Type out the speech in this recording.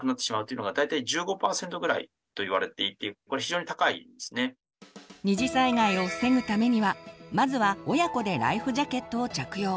特にやっぱり二次災害を防ぐためにはまずは親子でライフジャケットを着用。